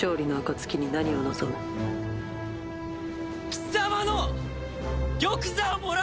貴様の玉座をもらおう！